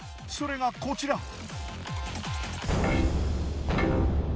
それがこちら。